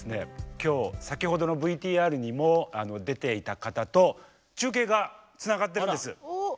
今日先ほどのＶＴＲにも出ていた方と中継がつながってるんです。